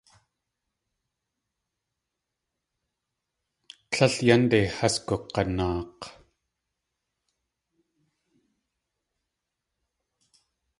Tlél yánde has gug̲anaak̲.